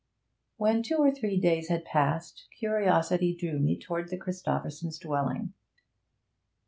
When two or three days had passed, curiosity drew me towards the Christophersons' dwelling.